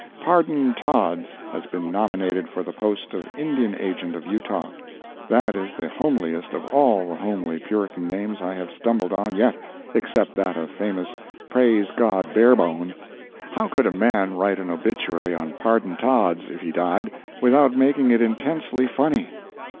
Pardon Todds has been nominated for the post of Indian Agent of Utah. That is the homeliest of all the homely Puritan names I have stumbled on yet, except that of famous Praise God Barebone. How could a man write an obituary on Pardon Todds, if he died, without making it intensely funny?